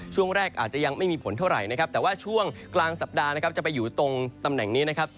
ช่วงแรกอาจจะยังไม่มีผลเท่าไหร่นะครับแต่ว่าช่วงกลางสัปดาห์นะครับจะไปอยู่ตรงตำแหน่งนี้นะครับ